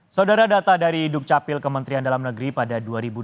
saudara data dari dukcapil kementerian dalam negeri pada dua ribu dua puluh